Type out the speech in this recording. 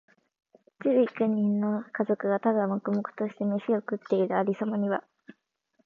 十幾人の家族が、ただ黙々としてめしを食っている有様には、